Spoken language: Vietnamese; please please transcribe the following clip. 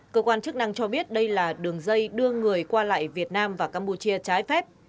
cơ quan chức năng cho biết đây là đường dây đưa người qua lại việt nam và campuchia trái phép